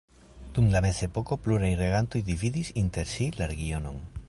Dum la mezepoko pluraj regantoj dividis inter si la regionon.